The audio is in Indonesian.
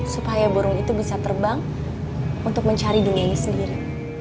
supaya burung itu bisa terbang untuk mencari dunianya sendiri